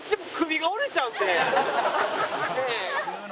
ねえ。